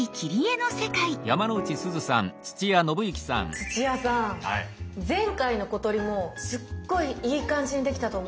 土屋さん前回の「小鳥」もすっごいいい感じにできたと思うんですよ。